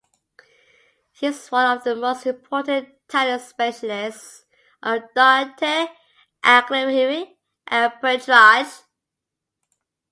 He was one of the most important Italian specialists of Dante Alighieri and Petrarch.